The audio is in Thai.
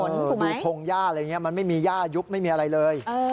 ดูพงหญ้าอะไรอย่างนี้มันไม่มีย่ายุบไม่มีอะไรเลย